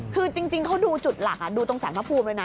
คือจริงเขาดูจุดหลักดูตรงสารพระภูมิเลยนะ